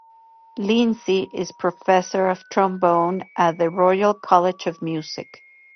Lindsay is Professor of Trombone at the Royal College of Music.